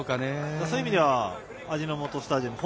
そういう意味ではホームの味の素スタジアム